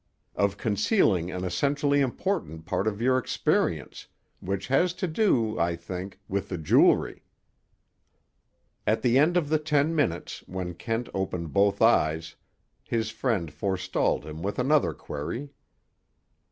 "Of concealing an essentially important part of your experience, which has to do, I think, with the jewelry." At the end of the ten minutes, when Kent opened both eyes, his friend forestalled him with another query.